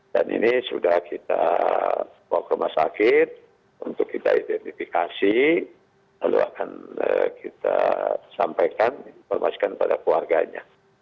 dan ini sudah kita bawa ke rumah sakit untuk kita identifikasi lalu akan kita sampaikan informasikan kepada keluarganya